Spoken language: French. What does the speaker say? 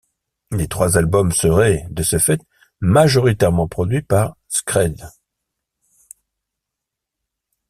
Les trois albums seraient, de ce fait, majoritairement produits par Skread.